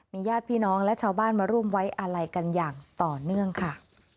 ญาติพี่น้องและชาวบ้านมาร่วมไว้อาลัยกันอย่างต่อเนื่องค่ะ